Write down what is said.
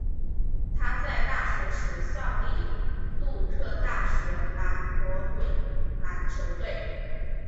他在大学时效力杜克大学蓝魔鬼篮球队。